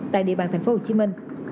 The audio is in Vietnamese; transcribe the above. tại địa bàn thành phố hồ chí minh